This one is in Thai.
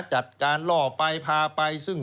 จัดการล่อไปพาไป